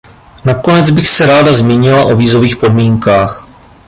Nakonec bych se ráda zmínila o vízových podmínkách.